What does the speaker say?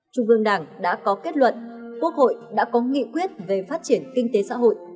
trung ương đảng đã có kết luận quốc hội đã có nghị quyết về phát triển kinh tế xã hội